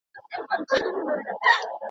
د انسان فطرت د ازادۍ غوښتونکی دی.